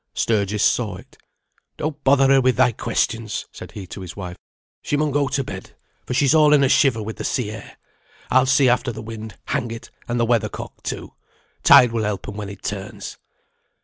Sturgis saw it. "Don't bother her with thy questions," said he to his wife. "She mun go to bed, for she's all in a shiver with the sea air. I'll see after the wind, hang it, and the weather cock, too. Tide will help 'em when it turns."